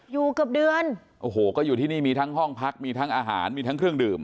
อยู่เกือบเดือนโอ้โหก็อยู่ที่นี่มีทั้งห้องพักมีทั้งอาหารมีทั้งเครื่องดื่ม